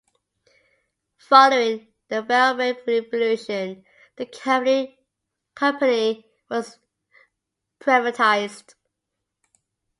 Following the Velvet Revolution, the company was privatized.